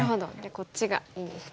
こっちがいいんですね。